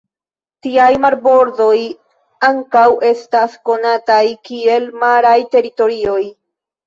Tiaj marbordoj ankaŭ estas konataj kiel maraj teritorioj.